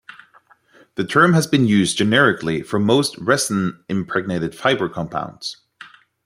The term has been used generically for most resin impregnated fibre compounds.